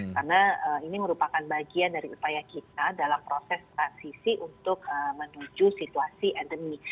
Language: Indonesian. karena ini merupakan bagian dari upaya kita dalam proses transisi untuk menuju situasi endemi